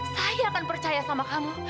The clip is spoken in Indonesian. saya akan percaya sama kamu